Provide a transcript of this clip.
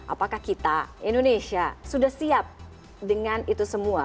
apakah kita indonesia sudah siap dengan itu semua